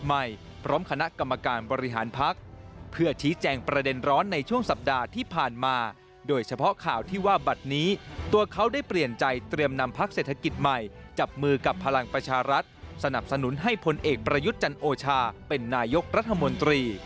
พร้อมคณะกรรมการบริหารพักเพื่อชี้แจงประเด็นร้อนในช่วงสัปดาห์ที่ผ่านมาโดยเฉพาะข่าวที่ว่าบัตรนี้ตัวเขาได้เปลี่ยนใจเตรียมนำพักเศรษฐกิจใหม่จับมือกับพลังประชารัฐสนับสนุนให้พลเอกประยุทธ์จันโอชาเป็นนายกรัฐมนตรี